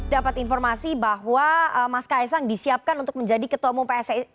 dapat informasi bahwa mas kaisang disiapkan untuk menjadi ketua umum pssi